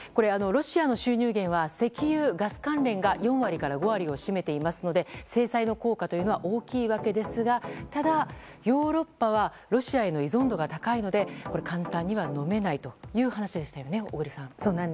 ロシアの収入源は石油・ガス関連が４割から５割を占めていますので、制裁の効果は大きいわけですがただ、ヨーロッパはロシアへの依存度が高いので簡単にはのめないという話でしたよね、小栗さん。